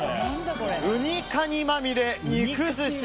うにかにまみれ肉寿司。